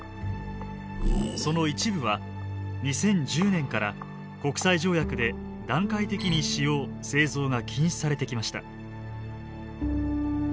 その一部は２０１０年から国際条約で段階的に使用・製造が禁止されてきました。